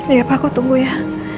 ya pak aku tunggu ya